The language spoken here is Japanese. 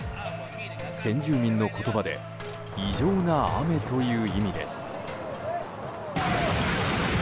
先住民の言葉で異常な雨という意味です。